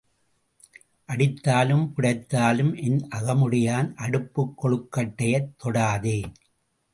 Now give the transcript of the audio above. அடித்தாலும் புடைத்தாலும் என் அகமுடையான் அடுப்புக் கொழுக்கட்டையைத் தொடாதே.